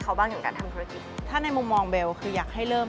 เราอยากการการอายุให้รู้